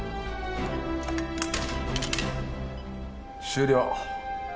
終了。